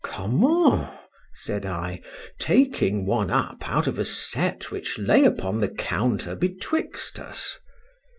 Comment! said I, taking one up out of a set which lay upon the counter betwixt us.